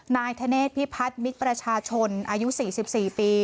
นายทะเนสพิพัฒน์มิตรประชาชนอายุสี่สิบสี่ปี